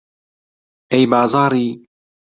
ئەی بازاڕی